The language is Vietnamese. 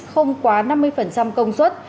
không quá năm mươi công suất